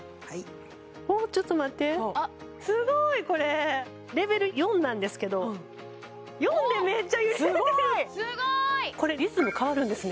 おおちょっと待ってすごいこれレベル４なんですけどすごいすごいこれリズム変わるんですね